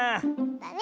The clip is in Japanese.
だね！